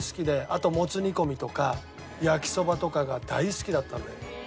あともつ煮込みとか焼きそばとかが大好きだったんだよ。